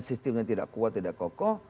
sistemnya tidak kuat tidak kokoh